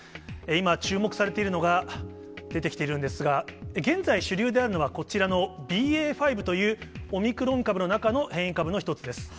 今、注目されているのが出てきているんですが、現在、主流であるのはＢＡ．５という、オミクロン株の中の変異株の一つです。